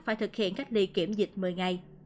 phải thực hiện các biến thể omicron